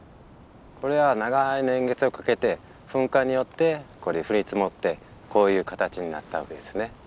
これは長い年月をかけて噴火によって降り積もってこういう形になったわけですね。